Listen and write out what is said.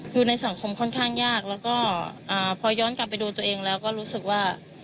อยู่ในสังคมค่อนข้างยากแล้วก็พอย้อนกลับไปดูตัวเองแล้วก็รู้สึกว่า